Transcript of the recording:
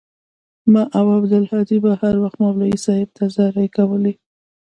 ما او عبدالهادي به هروخت مولوى صاحب ته زارۍ کولې.